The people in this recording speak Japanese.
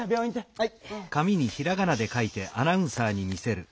はい？